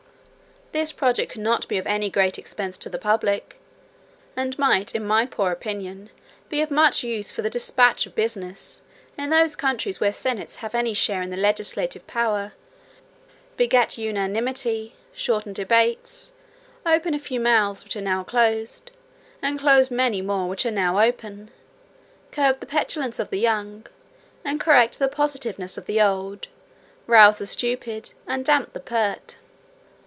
This project could not be of any great expense to the public; and might in my poor opinion, be of much use for the despatch of business, in those countries where senates have any share in the legislative power; beget unanimity, shorten debates, open a few mouths which are now closed, and close many more which are now open; curb the petulancy of the young, and correct the positiveness of the old; rouse the stupid, and damp the pert.